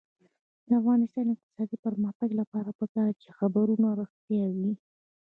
د افغانستان د اقتصادي پرمختګ لپاره پکار ده چې خبرونه رښتیا وي.